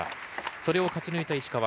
それを勝ち抜いた石川。